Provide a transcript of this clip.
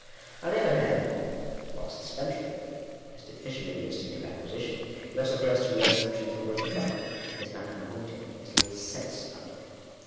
On the other hand, whilst the spendthrift is deficient in the instinct of acquisition, he also fails to realize the intrinsic worth of property ; it does not come home to him ; he has little sense of it.